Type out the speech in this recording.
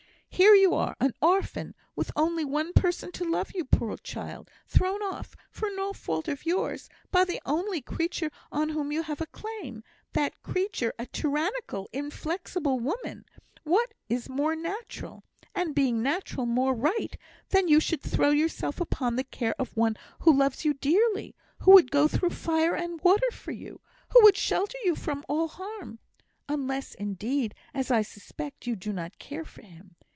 Here you are, an orphan, with only one person to love you, poor child! thrown off, for no fault of yours, by the only creature on whom you have a claim, that creature a tyrannical, inflexible woman; what is more natural (and, being natural, more right) than that you should throw yourself upon the care of the one who loves you dearly who would go through fire and water for you who would shelter you from all harm? Unless, indeed, as I suspect, you do not care for him.